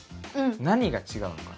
何が違うのかな？